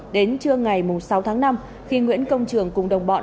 đến trưa ngày sáu tháng năm khi nguyễn công trường cùng đồng bọn